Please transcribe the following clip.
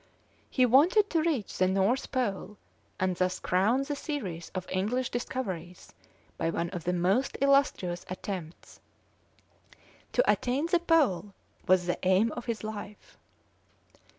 He wanted to reach the North Pole, and thus crown the series of English discoveries by one of the most illustrious attempts. To attain the Pole was the aim of his life.